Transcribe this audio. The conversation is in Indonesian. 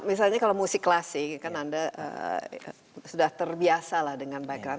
misalnya kalau musik klasik kan anda sudah terbiasa lah dengan background